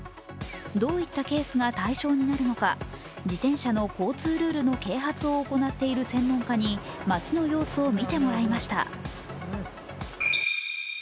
どういったケースが対象になるのか、自転車の交通ルールの啓発を行っている専門家に街の様子を見てもらいました。